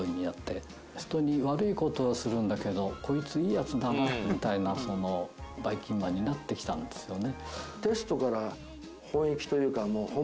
人に悪い事をするんだけどこいついいヤツなんだよみたいなばいきんまんになってきたんですよね。